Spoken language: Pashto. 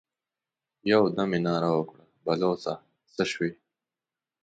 يودم يې ناره کړه: بلوڅه! څه شوې؟